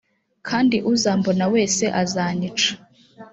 kandi uzambona wese azanyica